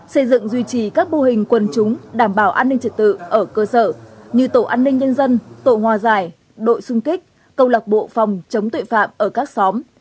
xây dựng duy trì các mô hình quân chúng đảm bảo an ninh trật tự ở cơ sở như tổ an ninh nhân dân tổ hòa giải đội xung kích cầu lạc bộ phòng chống tội phạm ở các xóm